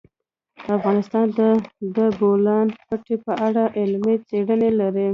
افغانستان د د بولان پټي په اړه علمي څېړنې لري.